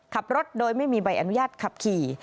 ขับรถโดยไม่มีใบอนุญาตขับขี่